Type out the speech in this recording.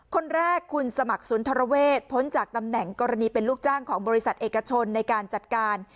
คนแรกคุณสมัครสุนทรเวศพ้นจากตำแหน่งกรณีเป็นลูกจ้างของบริษัทเอกชนในการจัดการ